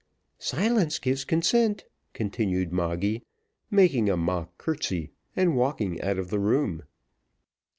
Silence gives consent," continued Moggy, making a mock courtesy, and walking out of the room.